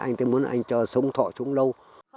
anh muốn anh cho sống thọ sống lâu